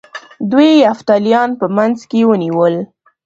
دوی یفتلیان په منځ کې ونیول